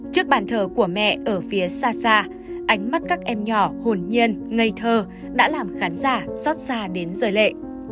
trước bàn thờ của mẹ ở phía xa xa ánh mắt các em nhỏ hồn nhiên ngây thơ đã làm khán giả xót xa đến rời lệ